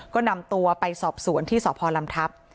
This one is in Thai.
ก็นำตัวไปสอบสวนที่สพลำทัพ